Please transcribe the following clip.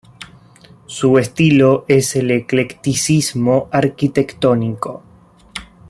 Su estilo es el eclecticismo arquitectónico.